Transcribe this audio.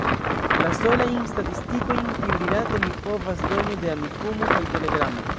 La solajn statistikojn tiurilate mi povas doni de Amikumu kaj Telegramo.